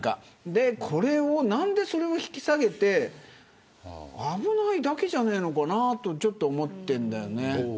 これを何で、それを引き下げて危ないだけじゃないのかなとちょっと思っているんだよね。